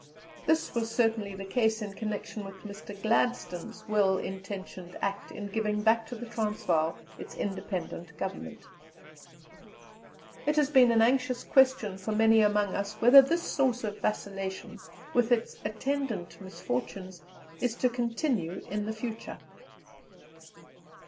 This was certainly the case in connexion with Mr. Gladstone's well intentioned act in giving back to the Transvaal its independent government. It has been an anxious question for many among us whether this source of vacillation, with its attendant misfortunes, is to continue in the future.